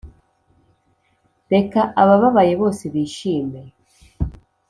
reka abababaye bose bishime